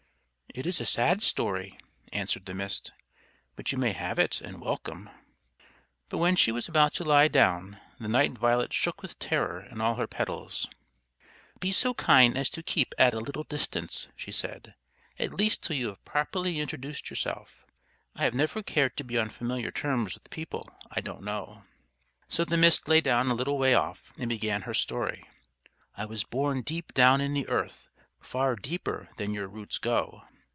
"It is a sad story," answered the Mist. "But you may have it and welcome." But when she was about to lie down the Night Violet shook with terror in all her petals. "Be so kind as to keep at a little distance," she said, "at least till you have properly introduced yourself. I have never cared to be on familiar terms with people I don't know." So the Mist lay down a little way off and began her story: "I was born deep down in the earth far deeper than your roots go.